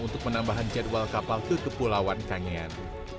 untuk menambahkan jadwal kapal ke kepulauan kanyan